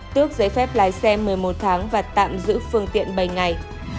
tước giấy phép lái xe một mươi một tháng và tạm giữ phương tiện bảy ngày